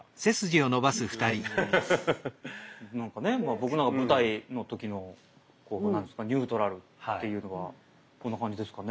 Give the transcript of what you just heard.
僕なんか舞台の時の何ていうんですかニュートラルっていうのはこんな感じですかね。